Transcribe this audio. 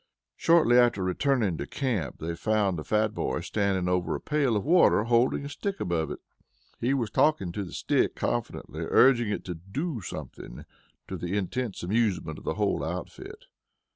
Shortly after returning to camp, they found the fat boy standing over a pail of water holding the stick above it. He was talking to the stick confidentially, urging it to "do something," to the intense amusement of the whole outfit.